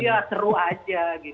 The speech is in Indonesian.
ya seru aja